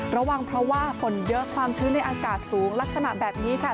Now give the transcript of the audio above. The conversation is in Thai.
ระวังเพราะว่าฝนเยอะความชื้นในอากาศสูงลักษณะแบบนี้ค่ะ